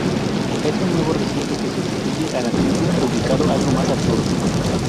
Es un nuevo recinto que sustituye al antiguo ubicado algo más al sur.